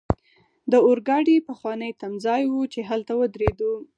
د اورګاډي پخوانی تمځای وو، چې هلته ودریدلو.